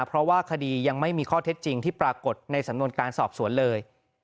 เพราะว่าคดียังไม่มีข้อเท็จจริงที่ปรากฏในสำนวนการสอบสวนเลย